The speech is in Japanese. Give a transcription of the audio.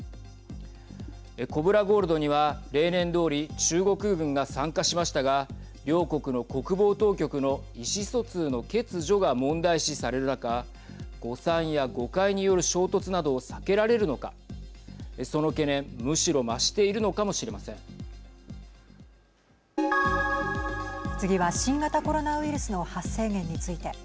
コブラ・ゴールドには例年どおり中国軍が参加しましたが両国の国防当局の意思疎通の欠如が問題視される中誤算や誤解による衝突などを避けられるのかその懸念むしろ増しているのかも次は新型コロナウイルスの発生源について。